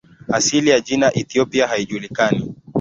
Asili ya jina "Ethiopia" haijulikani.